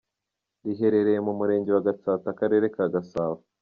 Riherereye mu murenge wa Gatsata akarere ka Gasabo.